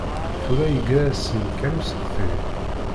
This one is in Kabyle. Tura yeggra-asen-d kan useɣti.